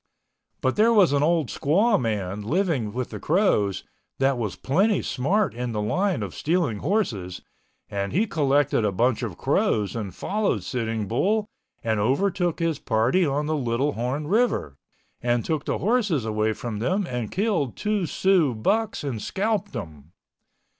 But there was an old squaw man living with the Crows that was plenty smart in the line of stealing horses and he collected a bunch of Crows and followed Sitting Bull and overtook his party on the Little Horn River, and took the horses away from them and killed two Sioux bucks and scalped them.